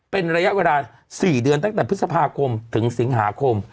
เป็นระยะเวลา๔เดือนตั้งแต่พฤษภาคมถึงสิงหาคม